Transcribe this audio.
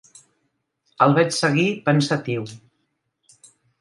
El vaig seguir pensatiu.